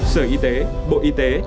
sở y tế bộ y tế